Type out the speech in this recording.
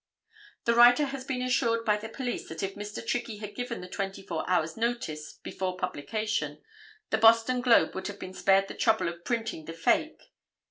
The writer has been assured by the police that if Mr. Trickey had given the twenty four hours notice before publication the Boston Globe would have been spared the trouble of printing the "fake."